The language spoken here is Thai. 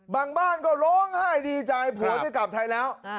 บ้านก็ร้องไห้ดีใจผัวได้กลับไทยแล้ว